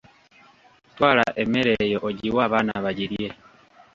Twala emmere eyo ogiwe abaana bagirye.